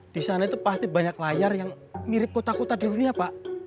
di sana itu pasti banyak layar yang mirip kota kota di dunia pak